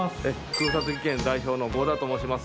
空撮技研代表の合田と申します。